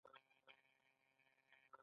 که داسې پایله ولري نو دا یو لوی بریالیتوب دی.